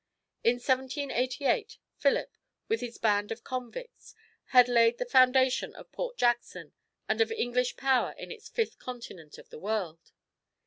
In 1788, Philip, with his band of convicts, had laid the foundation of Port Jackson and of English power in this fifth continent of the world.